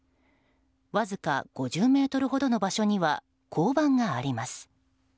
わずか５０ｍほどの場所には交番があります。